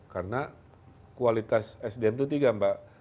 karena kualitas sdm itu tiga mbak